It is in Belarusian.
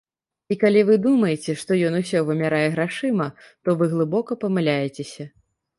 І калі вы думаеце, што ён усё вымярае грашыма, то вы глыбока памыляецеся.